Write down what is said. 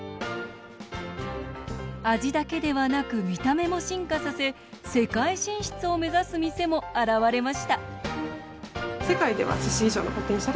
味だけではなく見た目も進化させ世界進出を目指す店も現れました